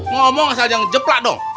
ngomong asal yang jeplak dong